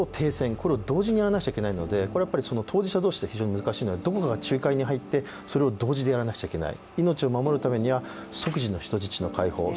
これを同時にやらなくちゃいけないので当事者同士では非常に難しいのが、どこかが仲介に入ってそれを同時にやらなくちゃいけない。